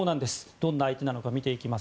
どんな相手なのか見ていきます。